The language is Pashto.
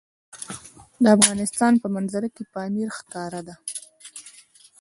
د افغانستان په منظره کې پامیر ښکاره ده.